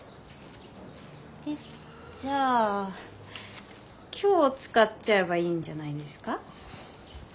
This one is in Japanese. えっじゃあ今日使っちゃえばいいんじゃないですか？